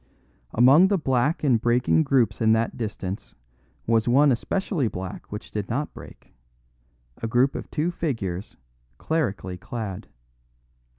Among the black and breaking groups in that distance was one especially black which did not break a group of two figures clerically clad.